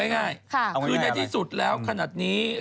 เอิ่มอางจี้ไปไหนแน่วันนี้